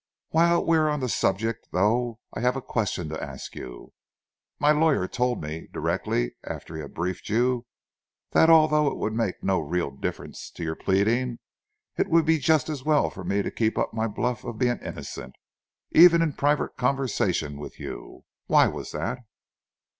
"While we are on the subject, though, I have a question to ask you. My lawyer told me, directly after he had briefed you, that, although it would make no real difference to your pleading, it would be just as well for me to keep up my bluff of being innocent, even in private conversation with you. Why was that?"